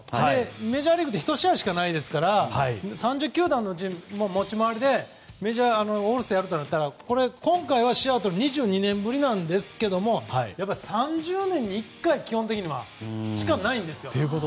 メジャーリーグって１試合しかないですから３０球団の持ち回りでオールスターやるとなったら今回はシアトルが２２年ぶりなんですが３０年に１回しか基本的には、ないんですよ。